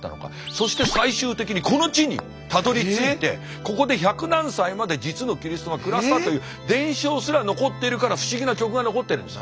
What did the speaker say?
そして最終的にこの地にたどりついてここで百何歳まで実のキリストが暮らしたという伝承すら残っているから不思議な曲が残ってるんです。